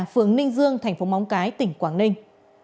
phường ninh dương tp móng cái tỉnh quảng ninh